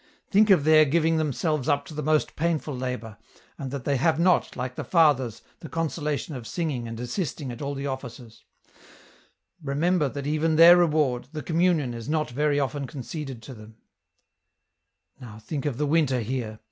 " Think of their giving themselves up to the most painful labour, and that they have not, like the fathers, the con solation of singing and assisting at all the offices ; remember that even their reward, the communion, is not very often conceded to them, " Now think of the winter here.